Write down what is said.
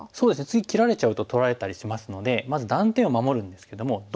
次切られちゃうと取られたりしますのでまず断点を守るんですけどもどう守るか。